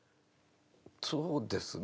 そうですね。